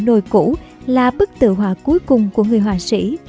nội củ là bức tự họa cuối cùng của người họa sĩ